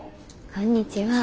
こんにちは。